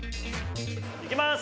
いきます！